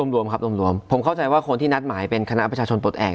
รวมครับรวมรวมผมเข้าใจว่าคนที่นัดหมายเป็นคณะประชาชนปลดแอบ